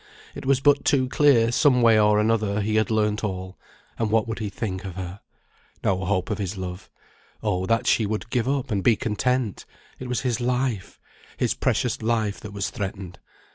It was but too clear, some way or another, he had learnt all; and what would he think of her? No hope of his love, oh, that she would give up, and be content; it was his life, his precious life, that was threatened.